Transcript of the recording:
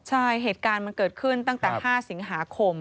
ใช่เหตุการณ์มันเกิดขึ้นตั้งแต่๕สิงหาคม